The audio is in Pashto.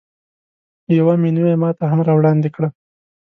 یوه مینو یې ماته هم راوړاندې کړه.